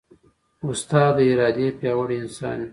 استاد د ارادې پیاوړی انسان وي.